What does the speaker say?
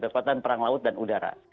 kekuatan perang laut dan udara